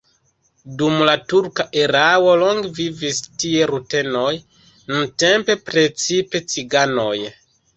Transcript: Dum la turka erao longe vivis tie rutenoj, nuntempe precipe ciganoj.